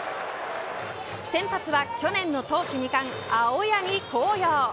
先発は去年の投手２冠青柳晃洋。